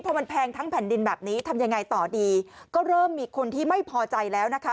พอมันแพงทั้งแผ่นดินแบบนี้ทำยังไงต่อดีก็เริ่มมีคนที่ไม่พอใจแล้วนะคะ